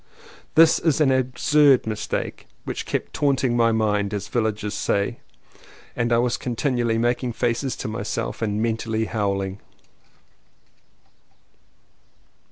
This absurd mistake kept ''taunting my mind," as village people say, and I was continually making faces to myself and mentally howling.